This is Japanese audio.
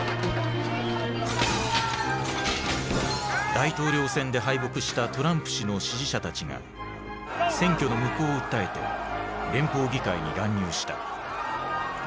大統領選で敗北したトランプ氏の支持者たちが選挙の無効を訴えて連邦議会に乱入した。